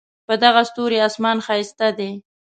په دغه ستوري آسمان ښایسته دی